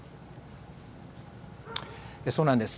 そうなんです。